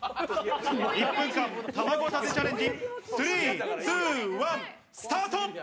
１分間卵立てチャレンジ、３、２、１、スタート！